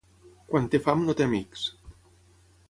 Quan té fam no té amics